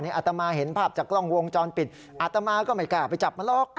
อาตมาเห็นภาพจากกล้องวงจรปิดอาตมาก็ไม่กล้าไปจับมันหรอก